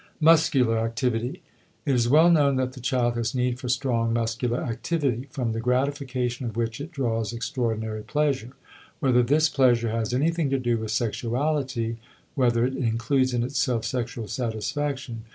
*Muscular Activity.* It is well known that the child has need for strong muscular activity, from the gratification of which it draws extraordinary pleasure. Whether this pleasure has anything to do with sexuality, whether it includes in itself sexual satisfaction?